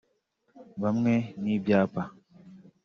Bamwe n’ibyapa